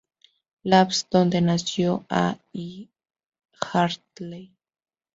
Labs, donde conoció a y Hartley